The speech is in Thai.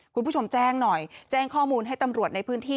คุณผู้ชมแจ้งหน่อยแจ้งข้อมูลให้ตำรวจในพื้นที่